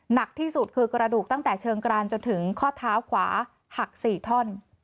หนักที่สุดคือกระดูกตั้งแต่เชิงกรานจนถึงข้อเท้าขวาหัก๔ท่อน